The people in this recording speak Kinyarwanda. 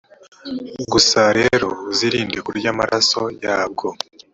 gusa rero uzirinde kurya amaraso yabwo,